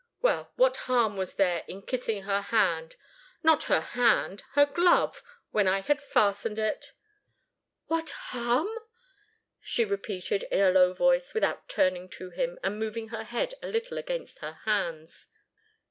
Well what harm was there in kissing her hand not her hand, her glove, when I had fastened it?" "What harm!" she repeated, in a low voice, without turning to him, and moving her head a little against her hands.